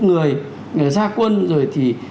người ra quân rồi thì